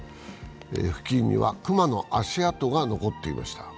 付近には熊の足跡が残っていました。